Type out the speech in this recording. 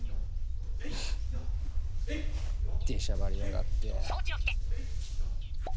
出しゃばりやがって。